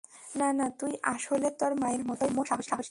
না, না, তুই আসলে তোর মায়ের মতোই অদম্য সাহসী!